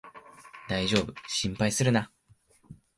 だいじょうぶ、心配するな